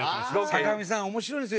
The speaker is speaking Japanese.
坂上さん面白いですよ